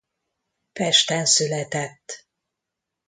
Pesten született.